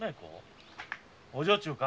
お女中か？